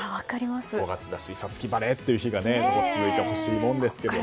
５月だし五月晴れという日が続いてほしいもんですけども。